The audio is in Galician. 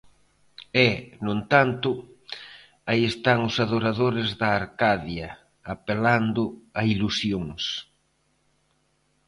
E, no entanto, aí están os adoradores da Arcadia, apelando a ilusións.